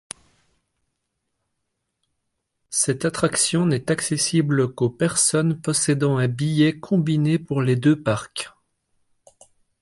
Cette attraction n'est accessible qu'aux personnes possédant un billet combiné pour les deux parcs.